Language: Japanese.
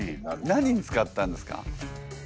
何に使ったんですか？